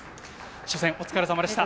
初戦お疲れさまでした。